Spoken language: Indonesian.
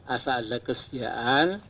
asal ada kesediaan